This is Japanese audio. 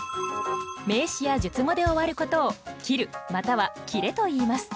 名詞や述語で終わることを「切る」または「切れ」といいます。